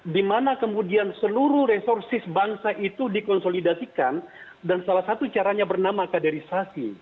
dimana kemudian seluruh resources bangsa itu dikonsolidasikan dan salah satu caranya bernama kaderisasi